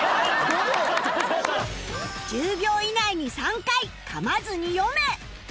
１０秒以内に３回噛まずに読め